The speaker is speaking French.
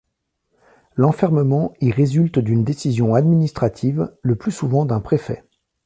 L'enfermement y résulte d'une décision administrative, le plus souvent d'un préfet.